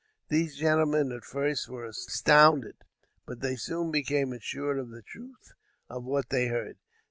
These gentlemen, at first were astounded, but they soon became assured of the truth of what they heard.